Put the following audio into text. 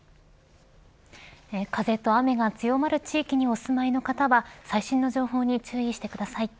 風と雨が強まる地域にお住まいの方は最新の情報に注意してください。